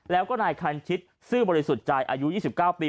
แล้วก็นายคันชิตซื่อบริสุทธิ์ใจอายุ๒๙ปี